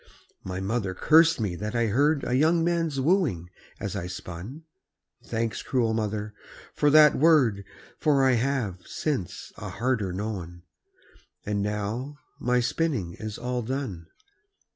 My mother cursed me that I heard A young man's wooing as I spun: Thanks, cruel mother, for that word, For I have, since, a harder known! And now my spinning is all done.